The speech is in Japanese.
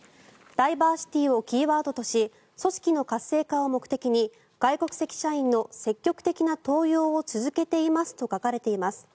ダイバーシティーをキーワードとし組織の活性化を目的に外国籍社員の積極的な登用を続けていますと書かれています。